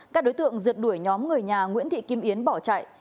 các đối tượng rượt đuổi nhóm người nhà nguyễn thị kim yến bỏ chạy